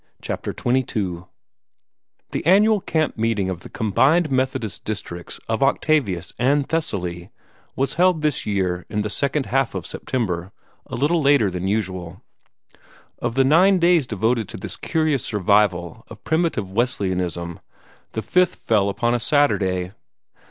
CHAPTER XXII The annual camp meeting of the combined Methodist districts of Octavius and Thessaly was held this year in the second half of September, a little later than usual. Of the nine days devoted to this curious survival of primitive Wesleyanism, the fifth fell upon a Saturday.